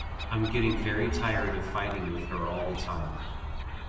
I'm getting very tired of fighting with her all of the time.